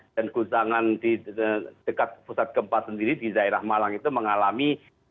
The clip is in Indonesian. dan kusangan di dekat pusat gempa sendiri di daerah malang itu mengalami